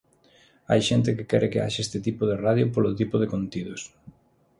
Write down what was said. Hai xente que quere que haxa este tipo de radio polo tipo de contidos.